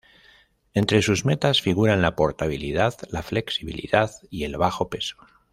Entre sus metas, figuran la portabilidad, la flexibilidad y el bajo peso.